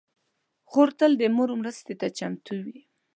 خور تل د مور مرستې ته چمتو وي.